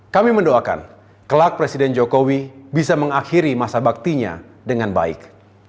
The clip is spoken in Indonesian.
kami mendoakan kelak presiden jokowi bisa mengakhiri masa baktinya dengan baik